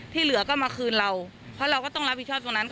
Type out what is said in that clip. เหลือก็มาคืนเราเพราะเราก็ต้องรับผิดชอบตรงนั้น